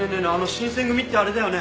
新選組ってあれだよね？